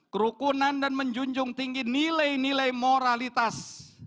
kerukunan dan menjunjung tinggi nilai nilai moralitas